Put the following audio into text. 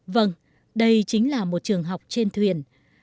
vâng đây chính là một trường học trên thuyền